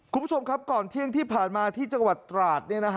คุณผู้ชมครับก่อนเที่ยงที่ผ่านมาที่จังหวัดตราด